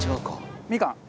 みかん。